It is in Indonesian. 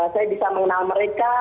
saya bisa mengenal mereka